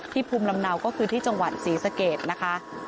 ภูมิลำเนาก็คือที่จังหวัดศรีสะเกดนะคะ